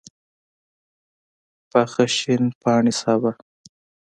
پاخه شین پاڼي سابه